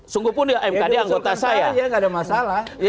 sungguhpun di mkd anggota saya